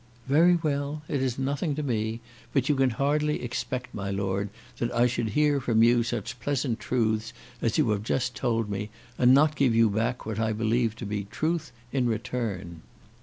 "Very well. It is nothing to me; but you can hardly expect, my Lord, that I should hear from you such pleasant truths as you have just told me, and not give you back what I believe to be truth in return."